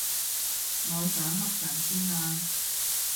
我想瞌陣先啊